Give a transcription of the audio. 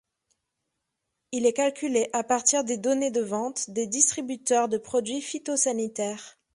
Il est calculé à partir des données de vente des distributeurs de produits phytosanitaires.